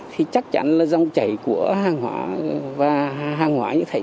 thì chắc chắn là dòng chảy của hàng hóa và hàng hóa như thế